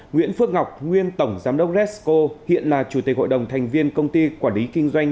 nguyễn phước ngọc nguyên tổng giám đốc resco hiện là chủ tịch hội đồng thành viên công ty quản lý kinh doanh